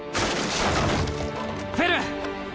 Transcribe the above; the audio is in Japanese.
フェルン！